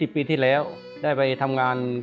ปีที่แล้วได้ไปทำงาน